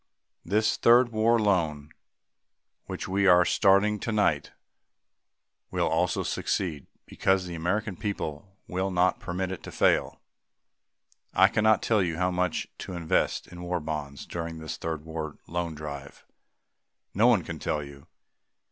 This Third War Loan, which we are starting tonight, will also succeed because the American people will not permit it to fail. I cannot tell you how much to invest in War Bonds during this Third War Loan Drive. No one can tell you.